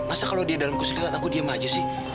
masa kalau dia dalam kesulitan aku diem aja sih